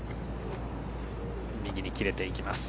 右に切れていきます。